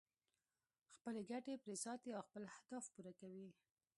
خپلې ګټې پرې ساتي او خپل اهداف پوره کوي.